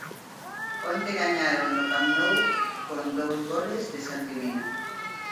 Onte gañaron no Camp Nou con dous goles de Santi Mina.